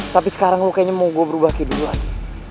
tapi sekarang lo kayaknya mau gue berubah kayak dulu lagi